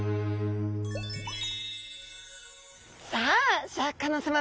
さあシャーク香音さま